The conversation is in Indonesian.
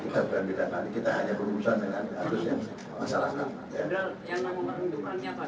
jenderal yang nama pembentukannya apa